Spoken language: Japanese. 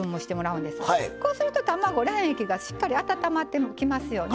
こうすると卵卵液がしっかり温まってきますよね。